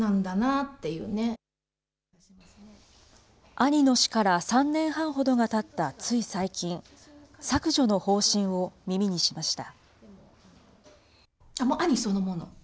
兄の死から３年半ほどがたったつい最近、削除の方針を耳にしました。